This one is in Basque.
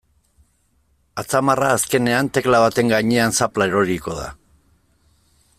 Atzamarra azkenean tekla baten gainean zapla eroriko da.